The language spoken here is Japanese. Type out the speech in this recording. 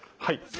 はい。